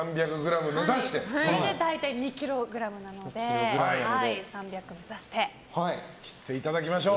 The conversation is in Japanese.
それで大体２ｋｇなので３００目指して切っていただきましょう！